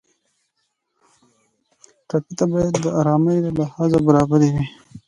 ټپي ته باید د ارامۍ لحظې برابرې کړو.